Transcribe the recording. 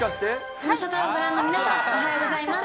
ズムサタをご覧の皆さん、おはようございます。